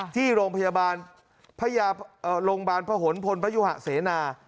ที่โรงพยาบาลพระยาเอ่อโรงพยาบาลพระหลพนธ์พระยุหะเสนา